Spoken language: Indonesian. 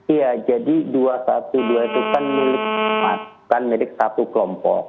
iya jadi dua ratus dua belas itu kan milik bukan milik satu kelompok